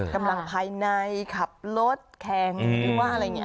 กำลังภายในขับรถแข่งหรือว่าอะไรอย่างนี้